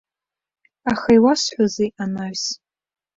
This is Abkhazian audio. Аха иуҳәозеи анаҩс?